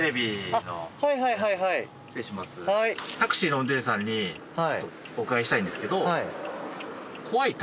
タクシーの運転手さんにお伺いしたいんですけど。